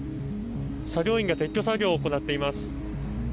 作業員が撤去作業を行っています。